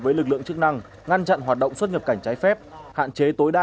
với lực lượng chức năng ngăn chặn hoạt động xuất nhập cảnh trái phép hạn chế tối đa